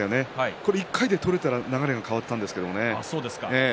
これ、１回で取れたら流れが変わったんですけどね。